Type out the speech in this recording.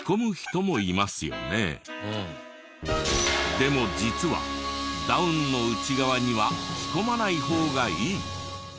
でも実はダウンの内側には着込まない方がいい。